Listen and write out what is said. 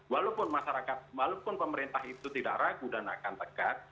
walaupun masyarakat walaupun pemerintah itu tidak ragu dan akan tegas